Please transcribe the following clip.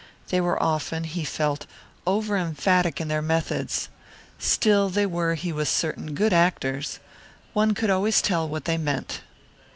They were often, he felt, over emphatic in their methods. Still, they were, he was certain, good actors. One could always tell what they meant.